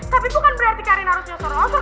tapi bukan berarti karin harus nyosor nyosor